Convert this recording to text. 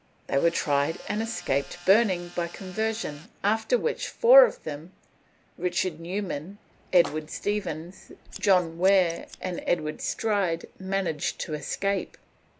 They were tried and escaped burning by conversion, after which four of them, Richard New man, Edward Stephens, John Ware, and Edward Stride managed to escape.